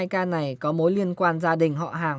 hai mươi hai ca này có mối liên quan gia đình họ hàng